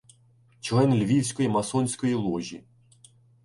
Член львівської масонської ложі.